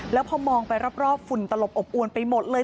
แล้วพอมองไปรอบฝุ่นตลบอบอวนไปหมดเลย